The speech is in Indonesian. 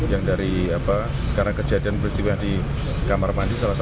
yang dari apa karena kejadian peristiwa di kamar mandi